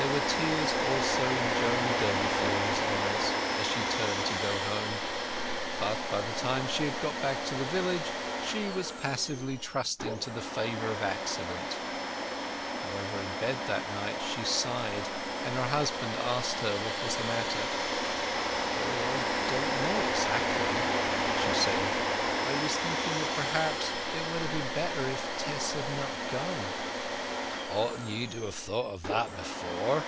There were tears also in Joan Durbeyfield's eyes as she turned to go home. But by the time she had got back to the village she was passively trusting to the favour of accident. However, in bed that night she sighed, and her husband asked her what was the matter. "Oh, I don't know exactly," she said. "I was thinking that perhaps it would ha' been better if Tess had not gone." "Oughtn't ye to have thought of that before?"